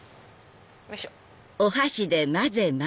よいしょ！